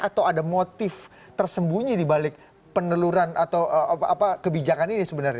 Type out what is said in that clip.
atau ada motif tersembunyi di balik peneluran atau kebijakan ini sebenarnya